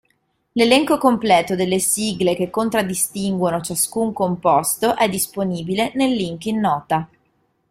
L'elenco completo delle sigle che contraddistinguono ciascun composto è disponibile nel link in nota.